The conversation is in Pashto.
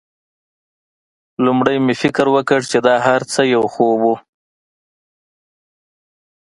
لومړی مې فکر وکړ چې دا هرڅه یو خوب و